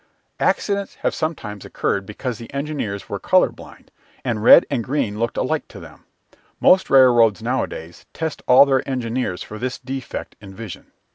Accidents have sometimes occurred because the engineers were colour blind and red and green looked alike to them. Most roads nowadays test all their engineers for this defect in vision.